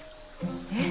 えっ？